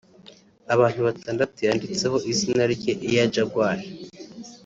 abantu batandatu yanditseho izina rye (Air Jaguar)